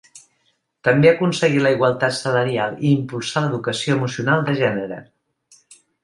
També aconseguir la igualtat salarial i impulsar l’educació emocional de gènere.